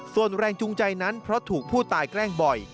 ส่วนแรงจูงใจนั้นเพราะถูกผู้ตายแกล้งบ่อย